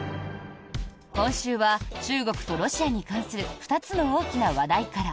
今週は、中国とロシアに関する２つの大きな話題から。